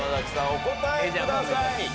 お答えください。